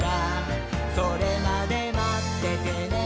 「それまでまっててねー！」